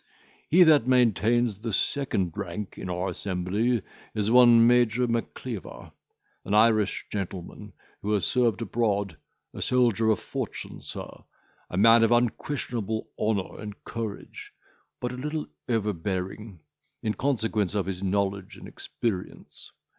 "He that maintains the second rank in our assembly is one Major Macleaver, an Irish gentleman, who has served abroad; a soldier of fortune, sir, a man of unquestionable honour and courage, but a little overbearing, in consequence of his knowledge and experience.